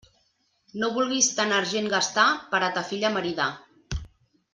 No vulguis tant argent gastar, per a ta filla maridar.